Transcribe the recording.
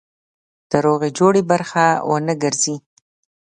د روغې جوړې برخه ونه ګرځي.